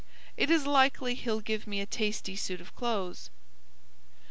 It is likely he'll give me a tasty suit of clothes.